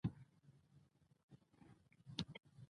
ادې هم لکه چې په ما پسې مريضه سوې وه.